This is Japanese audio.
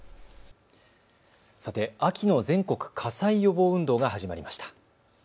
さて、秋の全国火災予防運動が始まりました。